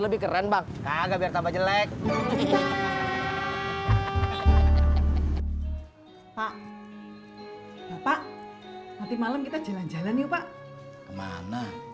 lebih keren bang agak biar tambah jelek pak bapak nanti malam kita jalan jalan yuk pak kemana